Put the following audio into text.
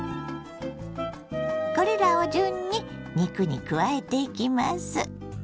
これらを順に肉に加えていきます。